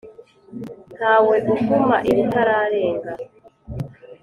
Ntawe uvuma iritararenga.